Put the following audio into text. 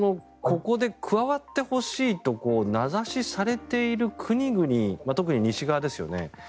ここで、加わってほしいと名指しされている国々特に西側ですよね。